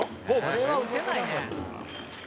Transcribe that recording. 「これは打てないね」